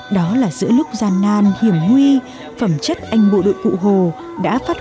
đó là giữa lúc gian nan hiểm huy phẩm chất anh bộ đội cụ hồ đã phát